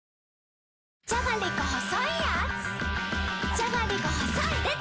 じゃがりこ細いでた‼